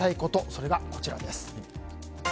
それがこちらです。